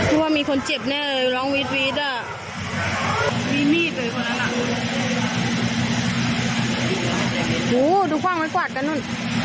โอ้โหดูฟ่างไว้กวาดกันนู้น